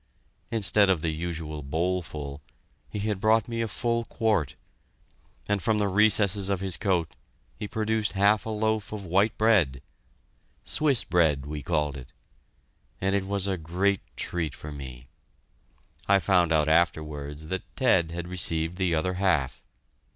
Instead of the usual bowlful, he had brought me a full quart, and from the recesses of his coat he produced half a loaf of white bread "Swiss bread" we called it and it was a great treat for me. I found out afterwards that Ted had received the other half.